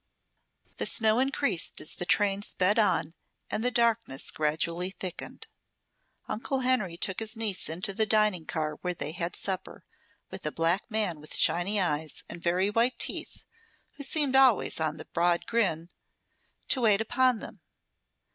The snow increased as the train sped on and the darkness gradually thickened. Uncle Henry took his niece into the dining car where they had supper, with a black man with shiny eyes and very white teeth, who seemed always on the broad grin, to wait upon them.